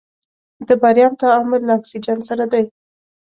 د باریم تعامل له اکسیجن سره دی.